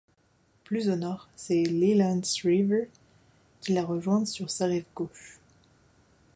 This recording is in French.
Plus au nord, c'est l'Elands River qui l'a rejointe sur sa rive gauche.